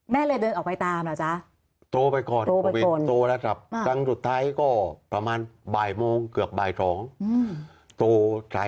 แม่เลยเดินออกไปตามแล้วจ้ะโตไปก่อนโตไปก่อนโตแล้วจ้ะอ่าครั้งสุดท้ายก็ประมาณบ่ายโมงเกือบบ่ายสองอืม